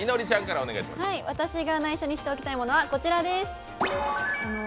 私が内緒にしておきたいものはこちらです。